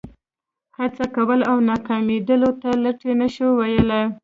هڅه کول او ناکامېدلو ته لټي نه شو ویلای.